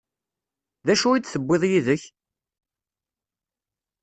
D acu i d-tewwiḍ yid-k?